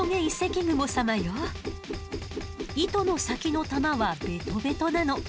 糸の先の球はベトベトなの。